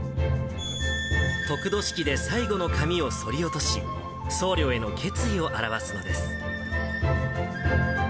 得度式で最後の髪をそり落とし、僧侶への決意を表すのです。